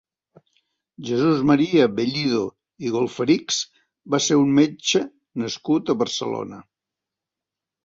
Jesús Maria Bellido i Golferichs va ser un metge nascut a Barcelona.